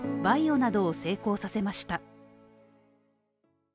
ＶＡＩＯなどを成功させました。